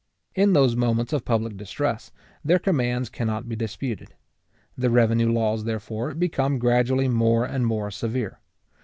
In those moments of public distress, their commands cannot be disputed. The revenue laws, therefore, become gradually more and more severe.